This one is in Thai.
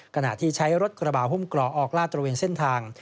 กระหน้าที่ใช้รถกระบาวหุ้มกล่อออกลาดตรงเวนเส้นทาง